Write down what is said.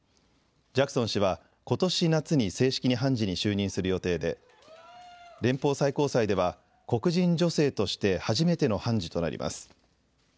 ジャクソン氏は、ことし夏に正式に判事に就任する予定で連邦最高裁では黒人女性として初めての判事となります。